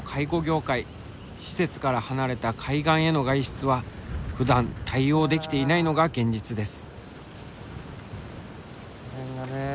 施設から離れた海岸への外出はふだん対応できていないのが現実です。